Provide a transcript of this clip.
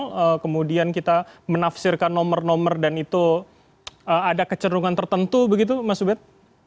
kemudian kita menafsirkan nomor nomor dan itu ada kecerungan tertentu begitu mas ubed